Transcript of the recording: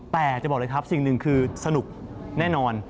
แต่จะบอกเลยครับสิ่งหนึ่งคือสนุกแน่นอน